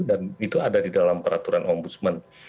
dan itu ada di dalam peraturan ombudsman